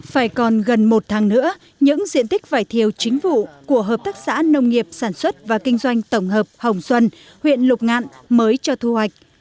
phải còn gần một tháng nữa những diện tích vải thiều chính vụ của hợp tác xã nông nghiệp sản xuất và kinh doanh tổng hợp hồng xuân huyện lục ngạn mới cho thu hoạch